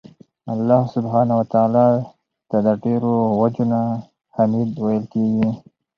الله سبحانه وتعالی ته د ډيرو وَجُو نه حــمید ویل کیږي